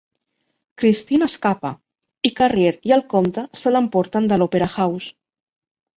Christine escapa, i Carriere i el Comte se l'emporten de l'Opera House.